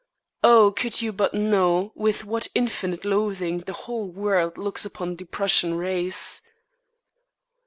Oh, could you but know with what infinite loathing the whole world looks upon the Prussian race!